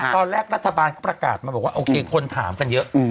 ตอนแรกรัฐบาลเขาประกาศมาบอกว่าโอเคคนถามกันเยอะ